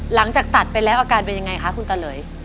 หลังจากตัดไปแล้วอาการเป็นยังไงคะคุณตาเหลย